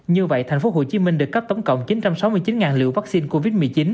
như vậy thành phố hồ chí minh được cấp tổng cộng chín trăm sáu mươi chín liều vaccine covid một mươi chín